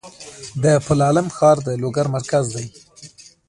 د پل علم ښار د لوګر مرکز دی